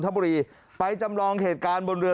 ทบุรีไปจำลองเหตุการณ์บนเรือ